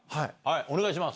お願いします。